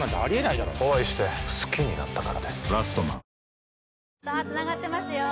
ニトリさあつながってますよ